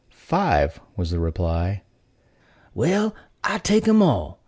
"Five," was the reply. "Well, I take 'em all.